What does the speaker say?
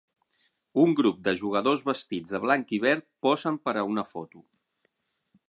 Un grup de jugadors vestits de blanc i verd posen per a una foto.